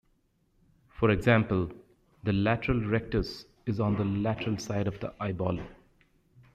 For example, the lateral rectus is on the lateral side of the eyeball.